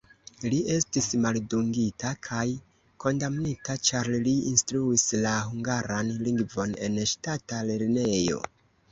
Li estis maldungita kaj kondamnita, ĉar li instruis la hungaran lingvon en ŝtata lernejo.